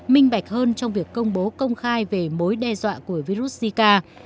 minh bạch hơn trong việc công bố công khai về mối đe dọa của virus zika